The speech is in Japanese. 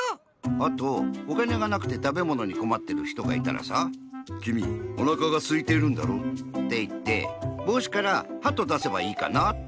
あとおかねがなくてたべものにこまってるひとがいたらさ「きみおなかがすいてるんだろ？」っていってぼうしからハトだせばいいかなぁって。